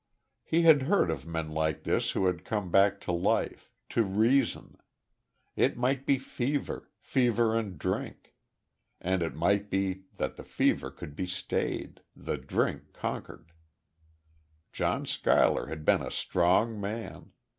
He had heard of men like this who had come back to life to reason. It might be fever fever and drink; and it might be that the fever could be stayed the drink conquered. John Schuyler had been a strong man.